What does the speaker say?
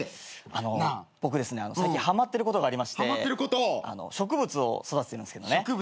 あのう僕ですね最近はまってることがありまして植物を育ててるんですけどね。